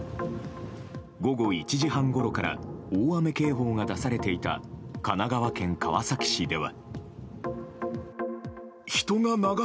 午後１時半ごろから大雨警報が出されていた神奈川県川崎市では。